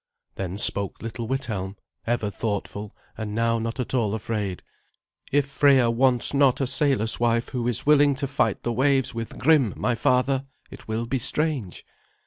Then spoke little Withelm, ever thoughtful, and now not at all afraid. "If Freya wants not a sailor's wife who is willing to fight the waves with Grim, my father, it will be strange."